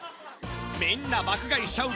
みんな爆買いしちゃう